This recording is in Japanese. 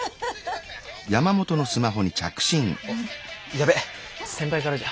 やべっ先輩からじゃ。